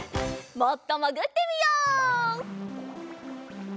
もっともぐってみよう。